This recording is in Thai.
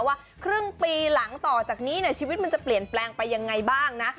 ว่าครึ่งปีหลังต่อจากนี้เนี่ยชีวิตมันจะเปลี่ยนแปลงไปยังไงบ้างนะ